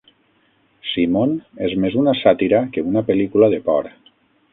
"Simon" és més una sàtira que una pel·lícula de por.